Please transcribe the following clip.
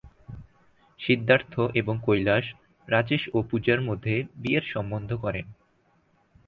সিদ্ধার্থ এবং কৈলাশ, রাজেশ ও পূজার মধ্যে বিয়ের সম্বন্ধ করেন।